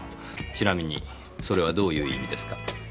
ちなみにそれはどういう意味ですか？